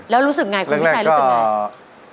แล้วรู้สึกไงคุณพี่ชายรู้สึกไง